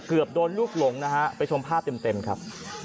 เกือบโดนลูกหลงนะฮะไปชมภาพเต็มครับ